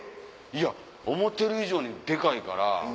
いや思ってる以上にデカいから。